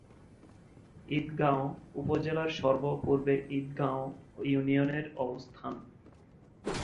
ঈদগাঁও উপজেলার সর্ব-পূর্বে ঈদগাঁও ইউনিয়নের অবস্থান।